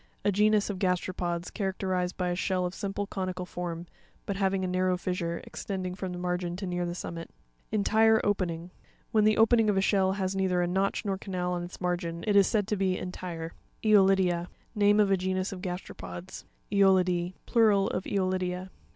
A genus of gasteropods, character ized by a shell of simple conical form, but having a narrow fissure, extending from the margin to near the summit (page 61). ENTIRE opeNinc.— When the opening of a shell has neither a notch or canal on its margin, it is said to be entire (page 94, and page 50, ee (pag pag H'otrp1a.—Name of a genus of gaste ropods (page 65). E'o.ip12,—Plural of Eolidia.